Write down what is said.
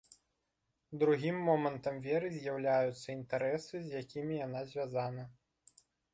Другім момантам веры з'яўляюцца інтарэсы, з якімі яна звязана.